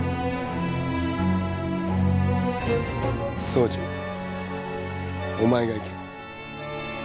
「総司お前が行け」。